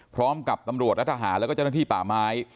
พร้อมกับตำรวจและทหารแล้วก็เจ้าหน้าที่ป่าไม้